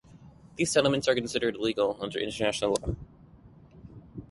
These settlements are considered illegal under international law.